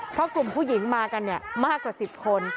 เพราะกลุ่มผู้หญิงมากันมากกว่า๑๐คน